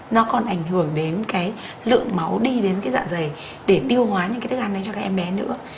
nó còn ảnh hưởng đến cái lượng máu đi đến cái dạ dày để tiêu hóa những cái thức ăn đấy cho các em bé nữa